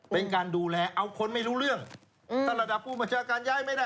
เป็นการดูแลเอาคนไม่รู้เรื่องถ้าระดับผู้บัญชาการย้ายไม่ได้